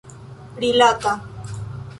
rilata